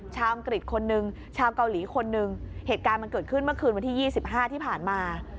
อังกฤษคนหนึ่งชาวเกาหลีคนหนึ่งเหตุการณ์มันเกิดขึ้นเมื่อคืนวันที่๒๕ที่ผ่านมา